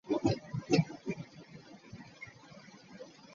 Akawoowo okawulira bwe kasusse?